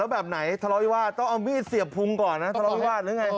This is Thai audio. แล้วแบบไหนทะเลาวิวาดต้องเอามีเสียบพุงก่อนนะ